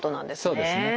そうですね。